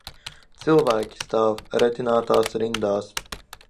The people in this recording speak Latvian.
Cilvēki stāv retinātās rindās.